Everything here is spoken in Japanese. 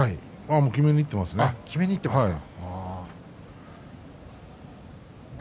きめにいってますね。